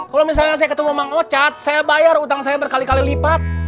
kalau misalnya saya ketemu sama ocat saya bayar utang saya berkali kali lipat